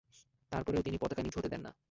তারপরেও তিনি পতাকা নিচু হতে দেন না।